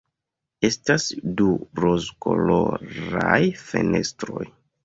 Estas du rozkoloraj fenestroj.